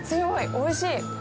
おいしい。